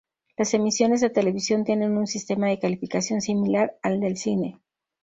Las emisiones de televisión tienen un sistema de calificación similar al del cine.